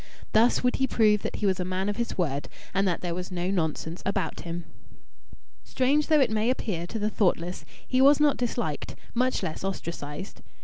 Thus would he prove that he was a man of his word and that there was no nonsense about him. Strange though it may appear to the thoughtless, he was not disliked much less ostracised.